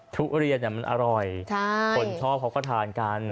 ทุเรียนมันอร่อยคนชอบเขาก็ทานกัน